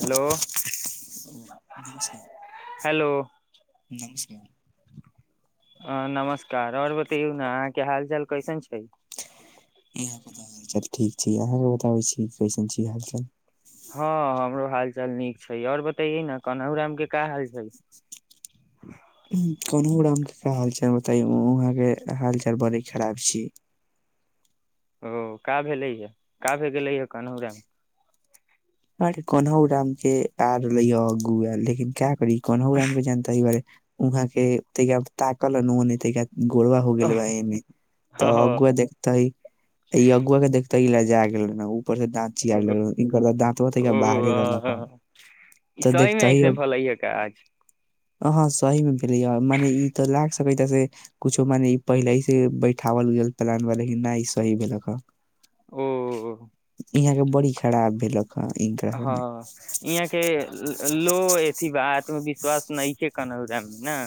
Hello hello अ नमस्कार आओर बतैयौ ने अहाँ के हाल चाल कैसन छै। हता ठीक छै। अहाँके बताबै छी। कैसन छी हालचाल हँ हमरो हाल चाल नीक छै। आओर बतैये ने कन्नहहु राम के का हाल छै। हूं कोनहु रामके हालचाल बताइ वहाँ के हालचाल बड़ी खराब छी। ओ का भेलै ह का भे गेलै य कन्हौरामे अरे कोनउ राम के आर ल अगू लेकिन क्या करी कनहुुएमबे जनतै बाइ उहाँ के धिया पूता कलनुनेतै ग गोरवा हो गेल भ एमेी तऽ हँ, अगुआ देख तऽ ई अगुआके देख ताहि ले जाय गेले ने ओ उपर दाँत चितारे ओ लगलै इनकर त दाँत बतैह बाहरी रहलक ओ, ई तऽ सही देखत मे ही ऐसे अ भलै ह काज ह ह सहीमे भेलैए मने ई तऽ लागि सकै त से कुछो मने ई पहिलेसँ बैठावल उझल प्लान ब लेकिन नहि ई सही भेलक हँ ओ इहाँ के बड़ी खराब भेलक ह इनकरा संगे हँ इहाँ के लो ए आत्मविश्वास न छै। अडन ओक राम ने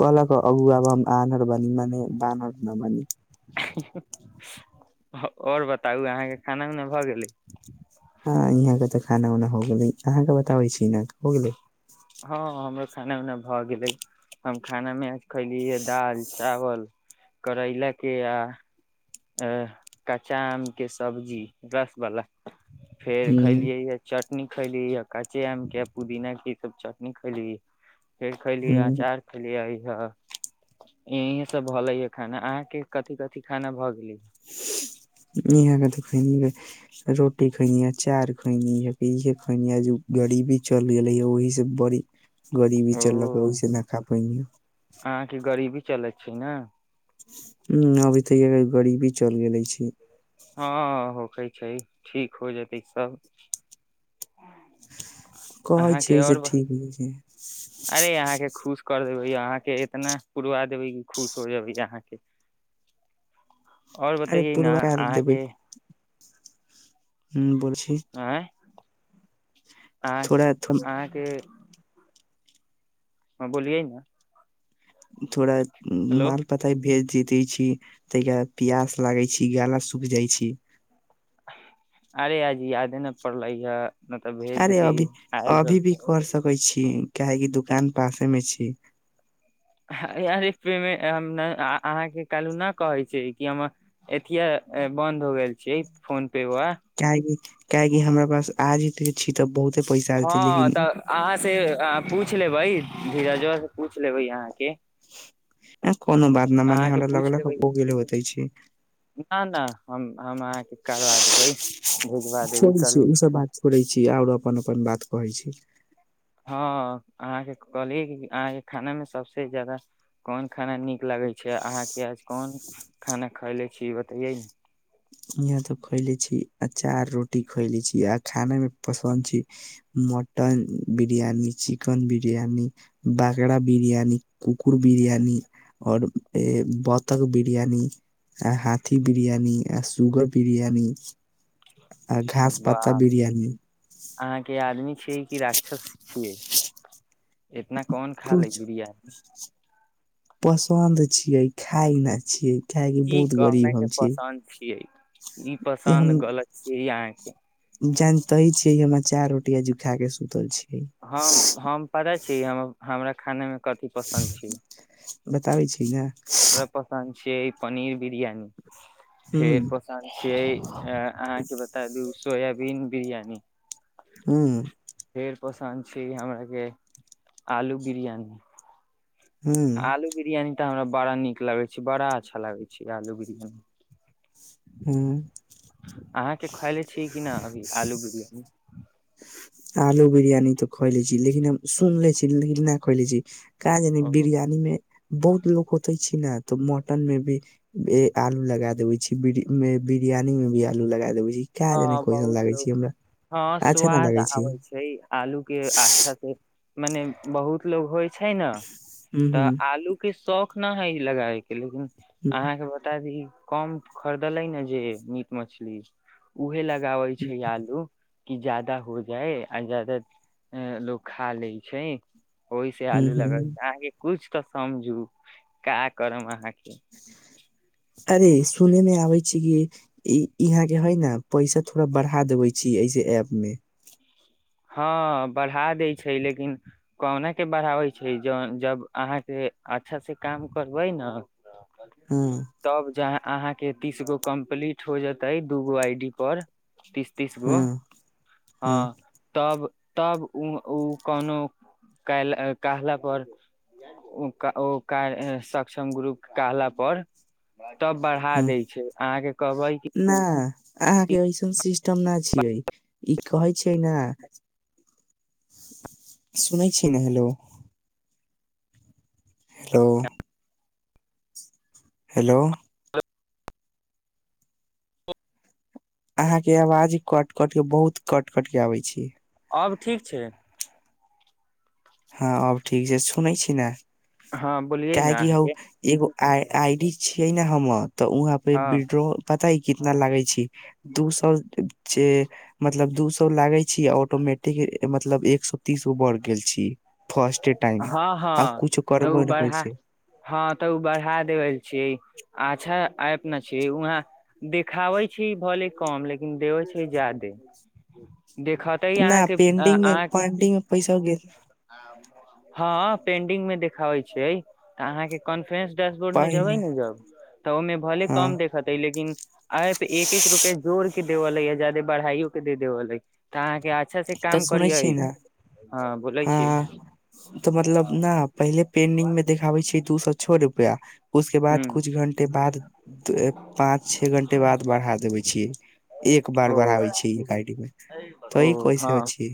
कल क अगुआ ब आनर भान मने बानर नमान और बताउ अहाँके खाना उना भऽ गेलै। हँ यहाँ के तऽ खाना उनाा हो गेलै, अहाँके बताबै छीन हो गेलै। हँ, हमरो खाना उना भऽ गेलै, हम खानामे आ खैलिय दाल चावल करैलाके आ अ कच्चा आम के सब्जी रसबला फेर हूँ खैलियै ह चटनी खैली हकाचे आम क पुदीना की सब चटनी खैली एक खलियै हूँ अचार खलियै इह सब भलै य खाना अहाँ के कथि कथि‌ खाना भ गेल। इह रोटी खैनी हँ अचार खैनीहँ गरीबी चलि गेलै ह ओहि से बड़ी गरीबी ओ चललक ओहिस न खा पै नी चलै छै। ने ह अभी तऽ गरीबी चलि गेले छी। हँ होखै छै। ठीक हो जेतै सब कहै अहाँके छियै से आओर ठीक हो छै। अरे अहाँके खुश कर देबै अहाँके इतना पुरवा देबै क खुश हो जेबै अहाँके और अरे बतैयै ने पूर्वाकार देबै अहाँके [inaudible] आँइ अहाँ थोड़ा अहाँके ह बोलियइ ने थोड़ा हेलो माल पतै भेज जीते छी तहिया प्यास लागै छी गाला सुूख जाइ छी अरे आज यादे नहि पड़लै य नहि तऽ भेज देती आयल क सकै छी काहेक दुकान पासे मे छी अरे पेमे अहाँके कहलू न कहै छै कि हम एथि बन्द हो गेल छी फोन पे वा चाही काहेकि हमरा पास आ जे धरि छी तऽ बहुत हँ तऽ अहाँ से आब पूछ लेबै धीरजबा से पूछ लेबै अहाँ के कोनो बात न मने अहाँके हमरा पूछि लगलक लेबै हो गेल होते छी नह नह हम हम अहाँके करबा देबै भेजवा देबै छोड़ै छी करु ओ सब बात छोड़ै छी आओर अपन अपन बात कहै छी हँ अहाँके कहलियै अहाँके खानामे सभसँ ज्यादा कोन खाना नीक लगै छै अहाँके आज कोन खाना खयले छी ई बताये यहाँ तो खोएले छी अचार रोटी खोएले छी आ खाने मे पसन्द छी मटन बिरियानी चिकेन बिरियानी बकरा बिरियानी कुकुर बिरयानी आओर ए बतक बिरियानी हहाथी बिरियानी जुगर बिरियानी आ घास पाता बाप बिरियानी से कि राक्षस छी ए इतना कौन खा ले बिरयानी पसन्द छीयय खाइ नए छीय काहेकि ई बहुत कहने गरीब के हम छी पसन्द छियै ई पसन्द गलत छै अहाँके दिन मे चार रोटी खा के सुतल छी हम्म हम्म परै छी हम्म हमरा खाना मे कथि पसन्द छी। बताबै छी ने हमरा पता नहि छीयय पनीर बिरियानी हूं फेर पसन्द छियै। अ अहाँके बता दू सोयाबीन बिरयानी ह्म फेर पसन्द छी। हमरा के आलू बिरियानी हूं आलू बिरयानी हमरा बड़ा नीक लगै छै। बड़ा अच्छा लागै छै। आलू बिरयानी हूं। अहाँके खएले छीिय कि नहि अभी आलू बिरयानी आलू बिरियानी तऽ खइले छी। लेकिन हम सुनले छी, लेकिन ना खइले छी। कहाँ जानी ओ बिरयानी मे बहुत लोको होते छै, ने तऽ मटन में भी आलू लगा देबे छी। में बिरयानी मे भी आलू लगा देबै हँ, बहुत लोग हँ, अच्छा न स्वाद लगै छी आबै छै। आलू के अच्छा से मने बहुत लोग होइ छै। ने हूं तऽ हूं आलू के शौख ना हइ ई लगाइ लेकिन अहाँके बता दी कम खरीदलै ने जे मीट मछली उहे लग लगाबै छै। आलू कि जादा हो जाय आ जादा लोकोग खा लै छै। ओहि से हूं आलू हूं लगै छै। अहाँके कुछ त समझू का करब अहाँ के [unintelligible] अरे सुने मे आबै छी। कि यहाँ के है ने पैसा थोड़ा बढ़ा देबे छी ऐसे ऐप मे हँ बढ़ा दै छै। लेकिन कहुना क बढ़ाबै छै, ज जब अहाँके अच्छासँ काम करबै ने हँ तब जहाँ अहाँ के तीस गो कम्प्लीट हो जेते दूगो आई डी पर तीस तीस गो हँ हँ तब तब ओ कोनो कहला पर ओ सक्षम गुरुप कहला पर तब बढ़ा हँ दै छै अहाँके कहबै कि ना अहाँके ऐसन सिस्टम न छियै ई कहै छै ने सुनै छी ने हेलो हेलो हेलो अहाँ के आवाज कट कट के बहुत कट कट के आबै छीयै अब ठीक छै हँ अब ठीक छै सुनै छी ने हँ बोलियै ने काहकि हौ अहाँके ईगो आई आई डी छियै ने हमर तऽ वहाँ पे हँ विड्रो पता ह कितना लागे छी दू सए मतलब दू सए लागे छी ऑटोमेटिक मतलब एक सए तीस गो बढ़ गेल छी फर्स्टे टाइम हाँ आ हाँ कुछो तऽ ओ करबो नहि करै बढ़ा छी हाँ तऽ ओ बढ़ा देबै छि अच्छा आ एप न छी वहाँ देखाबै छी भले कम लेकिन देबै छै जादे देखते नहि अहाँके पेंडिंग मे अहाँके पेंडिंग मे पैसा उगे हँ पेंडिंग मे देखाबै छै तऽ अहाँके कोन फेंस डैशबोर्ड मे जेबै पहिने ने जब तऽ ओहिमे भले हँ कम देखेतै लेकिन एप एक एक रुपया जोर के देवेलै जादे बढ़ाइयो के देैबैलै तऽ अहाँके आज अच्छा से काम करियै हाँ बोलै ह छी तऽ मतलब न पहिले पेंडिंग मे देखाबे छै दू सौ छ रुपया उस के बाद हूँ कुछ घंटे बाद पाँच छे घंटे बाद बढ़ा देवे छीये एक बार ओ बढ़ाबे छी तऽ ई ओ कैसे हँ अछी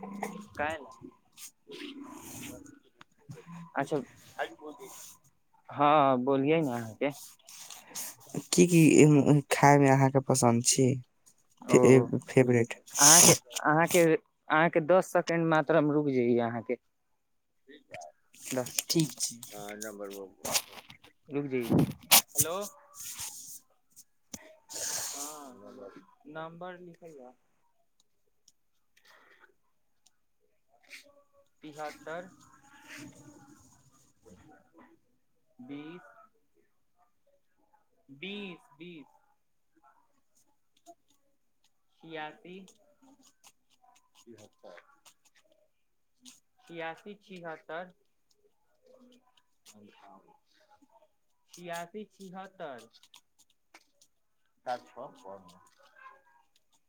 काइल अच्छा हँ बोलिय ने अहाँके की की खाय मे अहाँके पसन्द छी ओ फेल फेवरेट अहाँके अहाँके अहाँके दस सेकेंड मात्रामे रुकि जाइये अहाँके ठीक छै हेलो हाँ नंबर लिखल जा तिहत्तर बीस बीस बीस छियासी छियासी छिहत्तर छियासी छिहत्तर [unintelligible]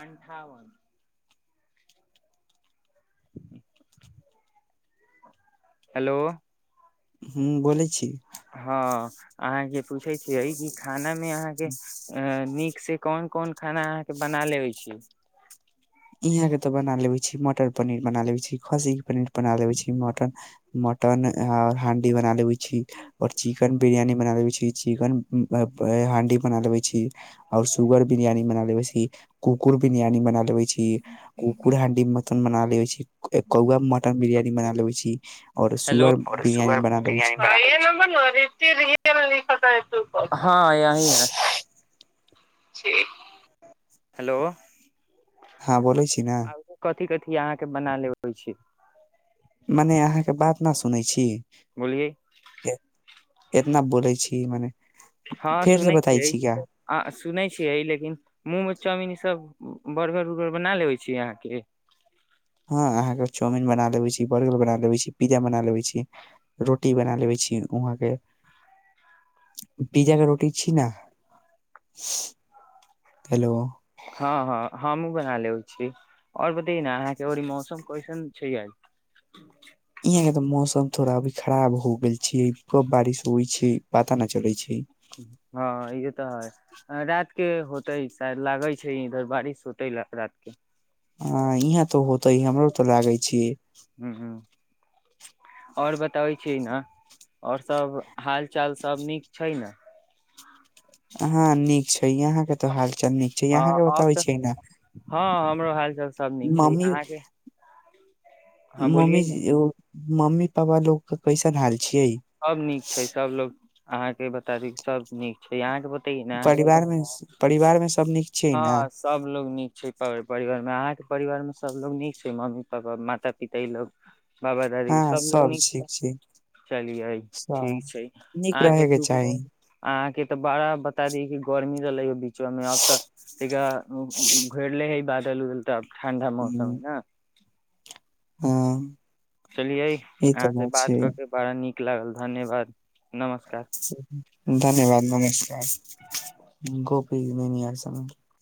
अनठावन हेलो हू बोलै छी हँ अहाँके पूछै छियै कि खानामे अहाँके अ नीक से कोन कोन खाना अहाँके बना लेबै छी इहाँके तऽ बना लेबै छी मटन पनीर बना लेवे छी खस्सी के पनीर बना लेवे छी मटन मटन हांडी बना लेवे छी और चिकेन बिरयानी बना लेवे छी चिकेन हांडी बना लेवे छी आओर सुगर बिरयानी बना लेवै छै कुकुर बिरियानी बना ले कुकुर हांडी मन बना लेबै छै कौआ मटन बिरियानी बना लेबै छी [unintelligible] [unintelligible] और हँ सुअर बिरयानी बना लेबे छी यही है हेंलो हँ बोले [inaudible] कथी कथी अहाँ के बना लेबै छी मने अहाँके बात न सुनै छी बोलिियए ए- एतना बोलै छी मने हँ फेर से सुनै बताइ छियै छी का। आ सुनै छियै लेकिन मुह म चाउमिन ई सब बर्गर उर्गर बना लेबे छी यहाँ के हँ अहाँके चाउमिन बना लेबे छी बर्गर बना लेबे छी पिज्जा बना लेबे छी रोटी बना लेबे छी वहाँ के पिज्जा के रोटी छी ने हेलो हँ हँ हमहुँ बना लेबै छी आओर त ने अहाँके ओ मौसम कइसन छै यहाँ के तऽ मौसम थोड़ा अभी खराब हो गेल छै कब बारिश होइ छै पता न चले छै हँ ई तऽ है रात के होते शाय लागै छै इधर बारिश होतै रात के ह इह तऽ होते हमरो तऽ लागे छी ह ह आओर बताबै छीियै ने आओर सभ हाल चाल सब नीक छै ने हँ नीक छै यहाँ के तो हाल चल नीक छै यहाँ हँ के अब बताबै तऽ छियै ने हँ हाल सब नीक छै अहाँके हँ मम्मी बोलियै ने मम्मी पापा लोग कइसन हाल छियै अहाँ के बता दी सब नीक छै अहाँ के ब परिवार मे परिवार मे सब नीक छियै ना हँ सब लोग नीक छै प घर परिवार मे अहाँके परिवार मे सबलोग नीक छै मम्मी पापा माता पिता ई लोग बाबा दादी हां सब लोग निक ठीक छै चलियै ठीक सब छै नीक अहाँके रहे के धूप चाही। अहाँके तऽ बड़ा बता दी की गर्मी चलै ह अभी [unintelligible] त घरल ह बात [unintelligible] चलु [unintelligible] ठण्डा मौसम है न हँ चलिये ई आहाँ तऽ से बात छै करके बड़ा नीक ठीक लागल धन्यवाद नमस्कार धन्यवाद नमस्कार गप मे न आ सम [unintelligible]